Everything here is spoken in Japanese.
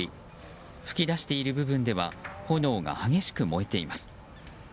噴き出している部分では炎が激しく燃えています。